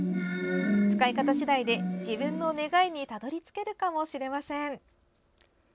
使い方次第で、自分の願いにたどり着けるかもしれません。